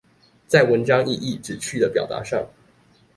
在文章意義、旨趣的表達上